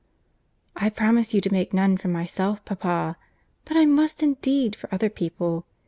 "I promise you to make none for myself, papa; but I must, indeed, for other people.